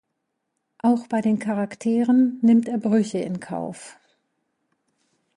Auch bei den Charakteren nimmt er Brüche in Kauf.